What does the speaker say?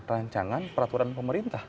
rancangan peraturan pemerintah